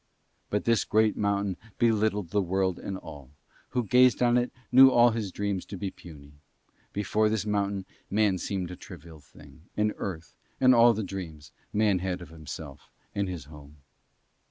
But this great mountain belittled the world and all: who gazed on it knew all his dreams to be puny. Before this mountain Man seemed a trivial thing, and Earth, and all the dreams Man had of himself and his home.